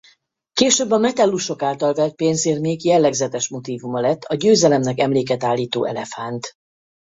Később a Metellusok által vert pénzérmék jellegzetes motívuma lett a győzelemnek emléket állító elefánt.